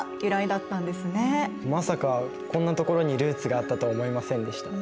まさかこんなところにルーツがあったとは思いませんでした。